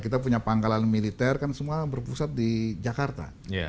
kita punya pangkalan militer kan semua berpusat di jakarta